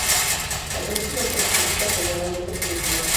La película obtuvo críticas generalmente positivas.